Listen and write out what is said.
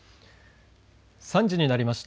３時になりました。